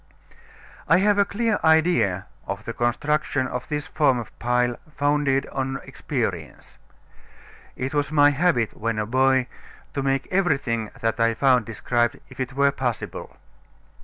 I have a clear idea of the construction of this form of pile, founded on experience. It was my habit when a boy to make everything that I found described, if it were possible.